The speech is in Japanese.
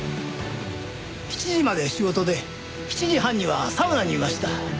７時まで仕事で７時半にはサウナにいました。